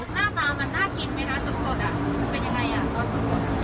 หน้าปลามันน่ากินไม่รู้สักกดอ่ะเป็นยังไงอ่ะตัวสักกด